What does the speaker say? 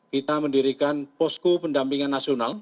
kita mendirikan posko pendampingan nasional